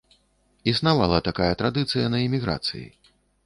Існавала такая традыцыя на эміграцыі.